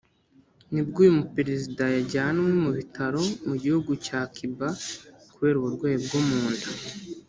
nibwo uyu muperezida yajyanwe mu bitaro mu gihugu cya Cuba kubera uburwayi bwo mu nda